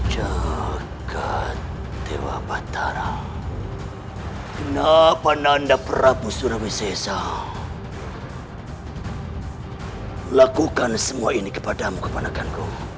jaka dewa batara kenapa nanda prabu surawi sesa lakukan semua ini kepadamu kepanakanku